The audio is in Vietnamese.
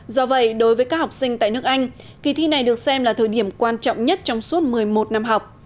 do vậy đối với các học sinh tại nước anh kỳ thi này được xem là thời điểm quan trọng nhất trong suốt một mươi một năm học